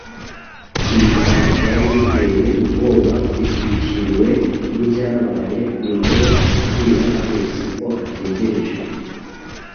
Kwibuka byari biteye ubwoba, bitwikiriwe nibyabaye nyuma yo kubwira Alex ko ategereje.